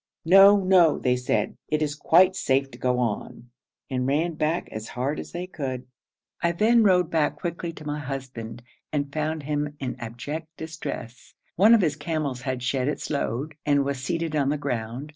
'No, no,' they said, 'it is quite safe to go on,' and ran back as hard as they could. I then rode back quickly to my husband, and found him in abject distress; one of his camels had shed its load, and was seated on the ground.